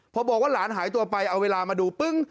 พอบอกว่าหลานหายตัวไปเอาเวลามาดูปึ้ง